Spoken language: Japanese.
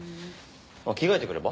着替えてくれば？